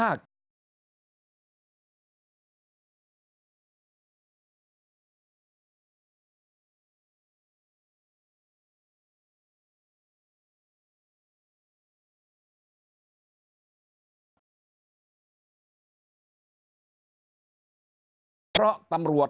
สวัสดีครับท่านผู้ชมครับ